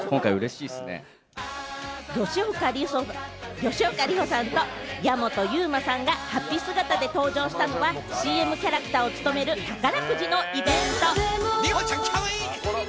吉岡里帆さんと矢本悠馬さんが法被姿で登場したのは、ＣＭキャラクターを務める宝くじのイベント。